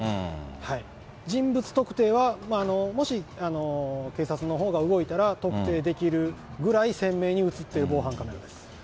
人物特定は、もし警察のほうが動いたら、特定できるぐらい鮮明に写ってる防犯カメラです。